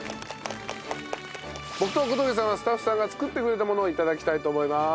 僕と小峠さんはスタッフさんが作ってくれたものを頂きたいと思います。